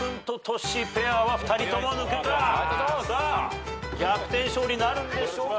さあ逆転勝利なるんでしょうか？